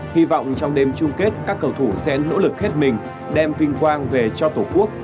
hy vọng trong đêm chung kết các cầu thủ sẽ nỗ lực hết mình đem vinh quang về cho tổ quốc